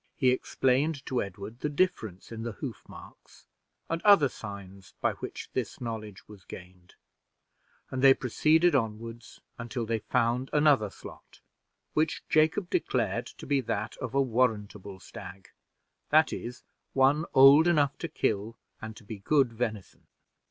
He explained to Edward the difference in the hoof marks and other signs by which this knowledge was gained, and they proceeded onward until they found another slot, which Jacob declared to be that of a warrantable stag that is, one old enough to kill and to be good venison.